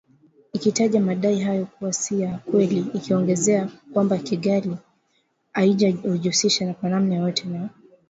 ikitaja madai hayo kuwa si ya kweli ikiongezea kwamba Kigali haijihusishi kwa namna yoyote na